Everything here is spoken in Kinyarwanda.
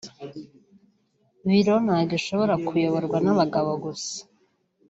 Biro ntabwo ishobora kuyoborwa n’abagabo gusa